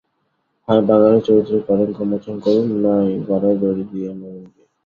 হয় বাঙালি-চরিত্রের কলঙ্ক মোচন করুন, নয় গলায় দড়ি দিয়ে মরুন গে।